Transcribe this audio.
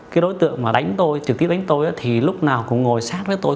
cái đối tượng mà đánh tôi trực tiếp đánh tôi thì lúc nào cũng ngồi sát với tôi